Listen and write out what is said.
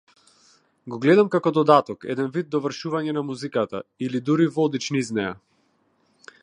Го гледам како додаток, еден вид довршување на музиката, или дури водич низ неа.